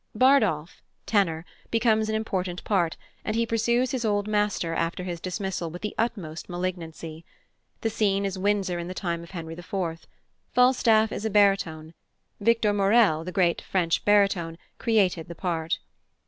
Bardolph (tenor) becomes an important part, and he pursues his old master after his dismissal with the utmost malignancy. The scene is Windsor in the time of Henry IV. Falstaff is a baritone. Victor Maurel, the great French baritone, created the part.